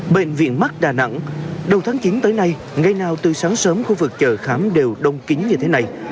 bệnh viện mắc đà nẵng đầu tháng chín tới nay ngay nào từ sáng sớm khu vực chờ khám đều đông kính như thế này